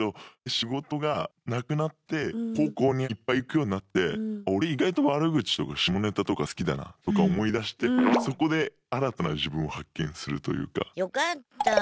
仕事がなくなって高校にいっぱい行くようになってオレ意外と悪口とか下ネタとか好きだなとか思いだしてそこで新たな自分を発見するというか。